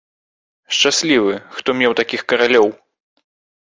Шчаслівы, хто меў такіх каралёў!